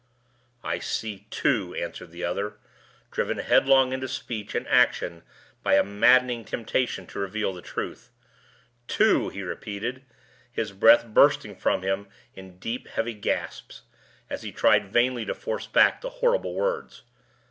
"I see two!" answered the other, driven headlong into speech and action by a maddening temptation to reveal the truth. "Two!" he repeated, his breath bursting from him in deep, heavy gasps, as he tried vainly to force back the horrible words.